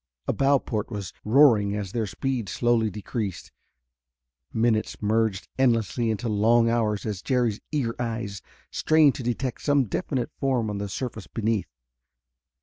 A bow port was roaring as their speed slowly decreased. Minutes merged endlessly into long hours as Jerry's eager eyes strained to detect some definite form on the surface beneath.